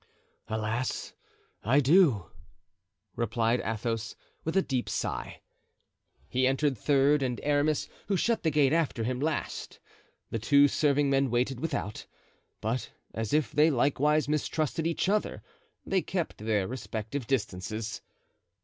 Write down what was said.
"Alas! I do!" replied Athos, with a deep sigh. He entered third, and Aramis, who shut the gate after him, last. The two serving men waited without; but as if they likewise mistrusted each other, they kept their respective distances.